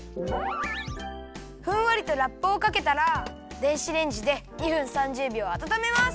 ふんわりとラップをかけたら電子レンジで２分３０びょうあたためます。